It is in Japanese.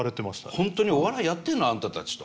「本当にお笑いやってんの？あんたたち」と。